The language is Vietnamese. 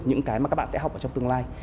những cái mà các bạn sẽ học ở trong tương lai